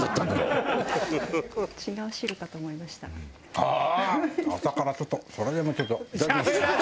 ああ！